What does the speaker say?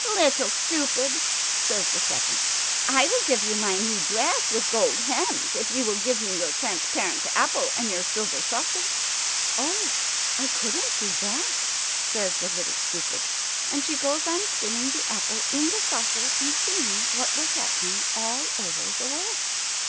"Little Stupid," says the second, "I will give you my new dress with gold hems if you will give me your transparent apple and your silver saucer." "Oh, I couldn't do that," says the Little Stupid, and she goes on spinning the apple in the saucer and seeing what was happening all over the world.